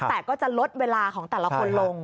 แต่ก็จะลดเวลาของแต่ละคนลง